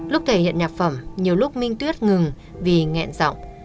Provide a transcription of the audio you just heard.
lúc thể hiện nhạc phẩm nhiều lúc minh tuyết ngừng vì nghẹn giọng